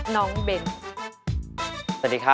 นี่